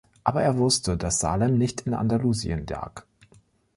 Aber er wusste, dass Salem nicht in Andalusien lag.